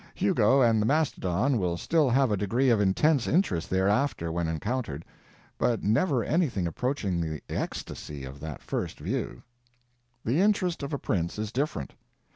Hugo and the mastodon will still have a degree of intense interest thereafter when encountered, but never anything approaching the ecstasy of that first view. The interest of a prince is different.